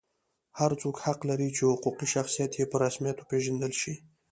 هر څوک حق لري چې حقوقي شخصیت یې په رسمیت وپېژندل شي.